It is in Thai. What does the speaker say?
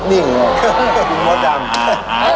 นี่เหรอคุณมดยำ